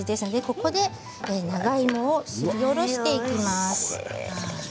ここに長芋をすりおろしていきます。